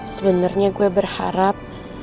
sebenernya gue berharap